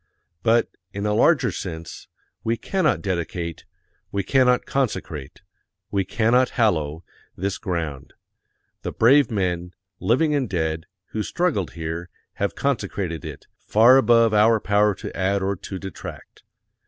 But, in a larger sense, we cannot dedicate, we cannot consecrate, we cannot hallow, this ground. The brave men, living and dead, who struggled here, have consecrated it, far above our power to add or to detract.